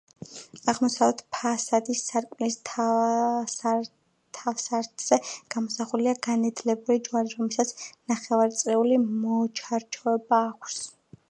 აღმოსავლეთ ფასადის სარკმლის თავსართზე გამოსახულია განედლებული ჯვარი, რომელსაც ნახევარწრიული მოჩარჩოება აქვს.